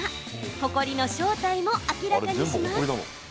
ほこりの正体も明らかにします。